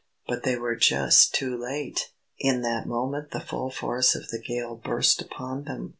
But they were just too late! In that moment the full force of the gale burst upon them.